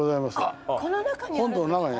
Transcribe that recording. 本堂の中に。